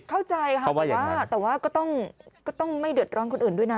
เข้าใจค่ะว่าแต่ว่าก็ต้องไม่เดือดร้อนคนอื่นด้วยนะ